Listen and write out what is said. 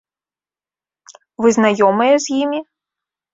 Вы знаёмыя з імі?